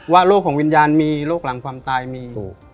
โรคของวิญญาณมีโรคหลังความตายมี